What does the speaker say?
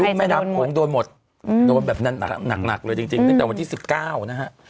แม่น้ำโขงโดนหมดโดนแบบหนักเลยจริงตั้งแต่วันที่๑๙นะฮะ